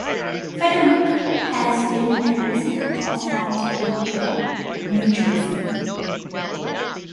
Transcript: Fedoruk has been a resident of Mount Laurel, New Jersey.